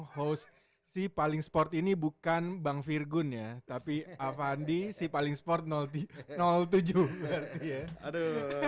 host si paling sport ini bukan bang virgun ya tapi avandi si paling sport tujuh berarti ya aduh